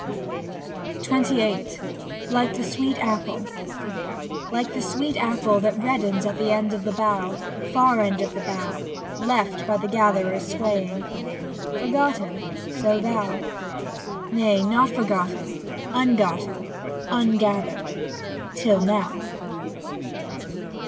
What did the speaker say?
40 XXVIII LIKE THE SWEET APPLE Like the sweet apple that reddens At end of the bough — Far end of the bough — Left by the gatherer's swaying, Forgotten, so thou. Nay, not forgotten, ungotten, Ungathered (till now).